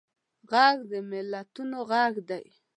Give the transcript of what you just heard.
غږ د ملتونو غږ دی